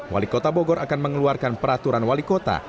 wali kota bogor akan mengeluarkan peraturan wali kota